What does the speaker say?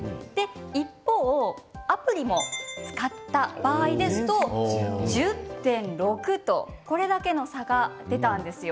一方、アプリも使った場合ですと１０．６とこれだけの差が出たんです。